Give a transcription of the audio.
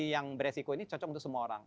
yang beresiko ini cocok untuk semua orang